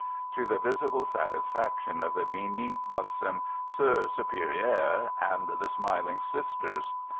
to the visible satisfaction of the beaming, buxom soeur supérieure and the smiling Sisters.